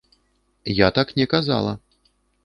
Я так не казала.